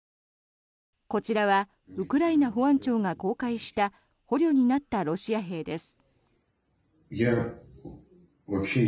こちらはウクライナ保安庁が公開した捕虜になったロシア兵です。